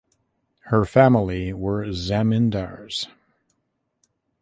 Her family were zamindars.